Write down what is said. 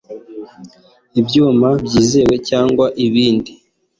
ibyuma byizewe cyangwa ubundi